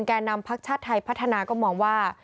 แก่นำพักชาติไทยพัฒนาก็มองว่า